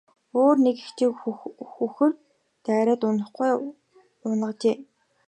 Өөр нэг эгчийг үхэр дайраад ухаангүй унагажээ.